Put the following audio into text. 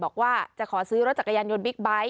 บอกว่าจะขอซื้อรถจักรยานยนต์บิ๊กไบท์